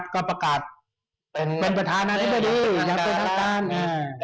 ก็ประกาศเป็นประธานาธิบดียังเป็นทางการอิสระสุนธรรมพสอะไรก็แล้วแต่